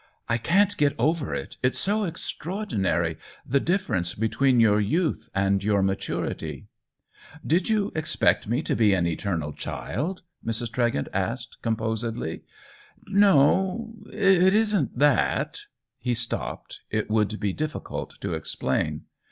" I can't get over it, it's so extraordi nary — the difference between your youth and your maturity !"" Did you expect me to be an eternal child ?" Mrs. Tregent asked, composedly. "No, it isn't that." He stopped — it would be difficult to explain.